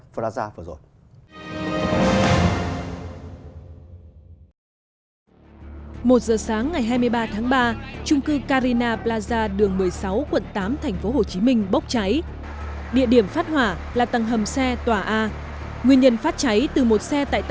và đã ra vừa rồi